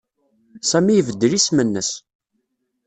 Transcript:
Sami ibeddel isem-nnes.